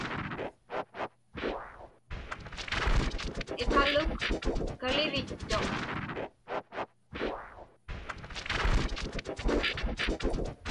Iqaluk kalivittuq.